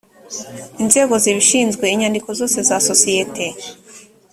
inzego zibishinzwe inyandiko zose za sosiyete